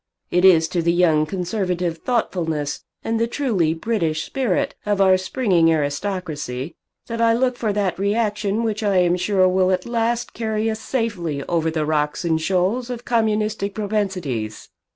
It is to the young conservative thoughtfulness and the truly British spirit of our springing aristocracy that I look for that reaction which I am sure will at last carry us safely over the rocks and shoals of communistic propensities."